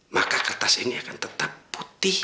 maka kertas ini akan tetap putih